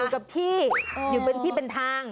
กับที่อยู่เป็นที่เป็นทาง